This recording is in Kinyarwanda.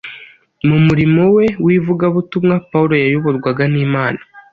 Mu murimo we w’ivugabutumwa, Pawulo yayoborwaga n’Imana.